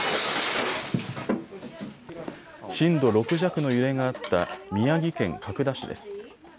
震度６弱の揺れがあった宮城県角田市です。